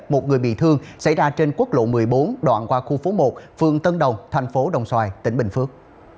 một người bị thương xảy ra trên quốc lộ một mươi bốn đoạn qua khu phố một phường tân đồng thành phố đồng xoài tỉnh bình phước